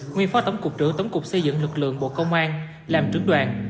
nguyên phó tổng cục trưởng tổng cục xây dựng lực lượng bộ công an làm trưởng đoàn